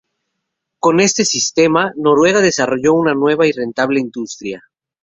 Con este sistema, Noruega desarrolló una nueva y rentable industria.